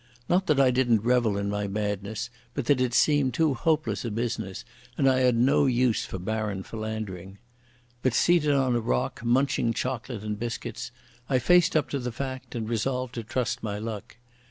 Not that I didn't revel in my madness, but that it seemed too hopeless a business, and I had no use for barren philandering. But, seated on a rock munching chocolate and biscuits, I faced up to the fact and resolved to trust my luck.